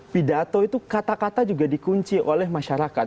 pidato itu kata kata juga dikunci oleh masyarakat